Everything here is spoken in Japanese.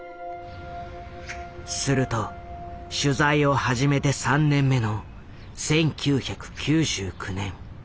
すると取材を始めて３年目の１９９９年。